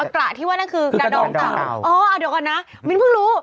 กระที่ว่านั่นคือกระดองเต่าอ๋อเอาเดี๋ยวก่อนนะมิ้นเพิ่งรู้